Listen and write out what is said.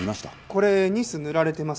これニス塗られてます？